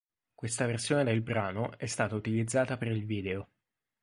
Questa versione del brano è stata utilizzata per il video.